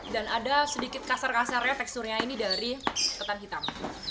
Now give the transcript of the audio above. dan ada sedikit kasar kasarnya teksturnya ini dari ketan hitam